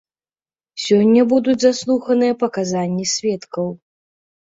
Сёння будуць заслуханыя паказанні сведкаў.